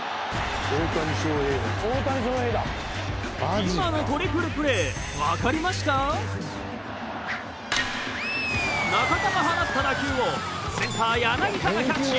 今のトリプルプレー中田が放った打球をセンター柳田がキャッチ。